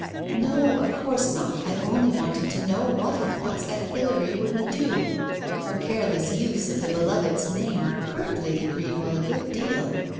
"No, of course not, I only wanted to know what it was Hilary wouldn't do?" Her careless use of the beloved's name hurt Lady Greenwell a good deal.